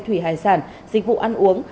thủy hải sản dịch vụ ăn uống